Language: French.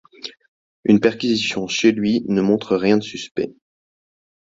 Une perquisition chez lui ne montre rien de suspect.